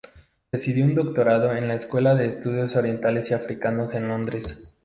Recibió un doctorado en la Escuela de Estudios Orientales y Africanos en Londres.